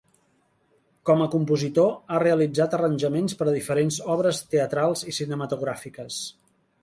Com a compositor, ha realitzat arranjaments per a diferents obres teatrals i cinematogràfiques.